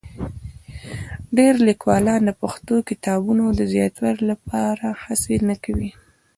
ډېری لیکوالان د پښتو کتابونو د زیاتوالي لپاره هڅه نه کوي.